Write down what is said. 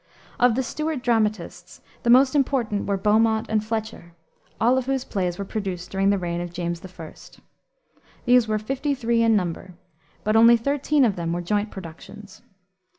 Of the Stuart dramatists, the most important were Beaumont and Fletcher, all of whose plays were produced during the reign of James I. These were fifty three in number, but only thirteen of them were joint productions.